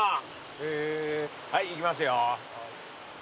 はいいきますよ。